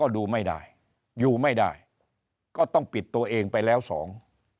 ดูไม่ได้อยู่ไม่ได้ก็ต้องปิดตัวเองไปแล้วสอง